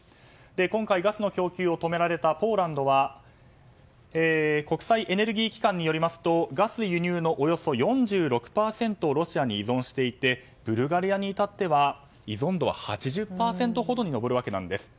今回、ガスの供給を止められたポーランドは国際エネルギー機関によりますとガス輸入のおよそ４６％をロシアに依存していてブルガリアに至っては依存度は８０％ほどに上るわけなんです。